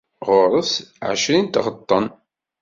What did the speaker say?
Ɣur-s ɛecrin n tiɣeṭṭen.